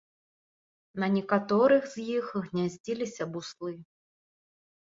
На некаторых з іх гняздзіліся буслы.